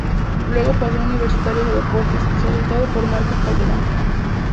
Luego pasó a Universitario de Deportes, solicitado por Marcos Calderón.